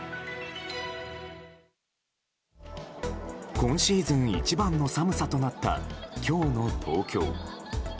今シーズン一番の寒さとなった今日の東京。